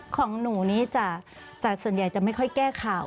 ของหนูนี้จะส่วนใหญ่จะไม่ค่อยแก้ข่าว